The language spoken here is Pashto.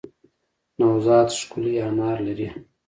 نوزاد ښکلی انار لری